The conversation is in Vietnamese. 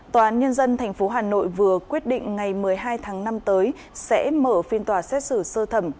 tòa án nhân dân tp hà nội vừa quyết định ngày một mươi hai tháng năm tới sẽ mở phiên tòa xét xử sơ thẩm